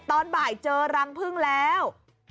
ตอนบ่ายเจอรังพึ่งแล้ว